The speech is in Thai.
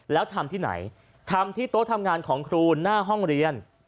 แล้วทำที่ไหนทำที่โต๊ะทำงานของครูหน้าห้องเรียน